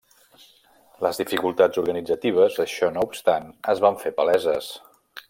Les dificultats organitzatives, això no obstant, es van fer paleses.